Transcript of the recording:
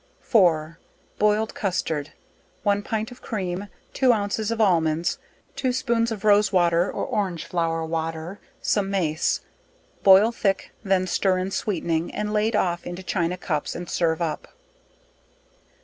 4. Boiled Custard one pint of cream, two ounces of almonds, two spoons of rose water, or orange flower water, some mace; boil thick, then stir in sweetening, and lade off into china cups, and serve up.